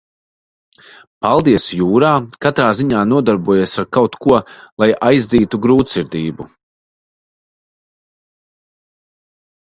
Peldies jūrā, katrā ziņā nodarbojies ar kaut ko, lai aizdzītu grūtsirdību.